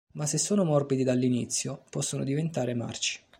Ma se sono morbidi dall'inizio, possono diventare marci.